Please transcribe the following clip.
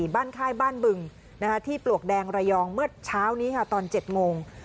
ค่ายบ้านบึงที่ปลวกแดงระยองเมื่อเช้านี้ค่ะตอน๗โมง